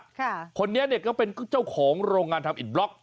คนนี้เนี่ยก็เป็นเจ้าของโรงงานทำอิดบล็อก